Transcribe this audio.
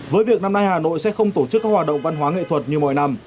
với việc năm nay hà nội sẽ không tổ chức các hoạt động văn hóa nghệ thuật như mọi năm